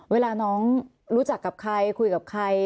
เวลาน้องรู้จักกับใครคุยกับใคร